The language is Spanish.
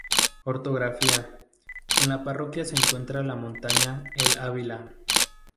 Orografía: En la parroquia se encuentra la montaña El Ávila.